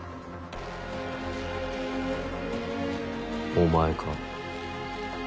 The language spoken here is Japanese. お前か？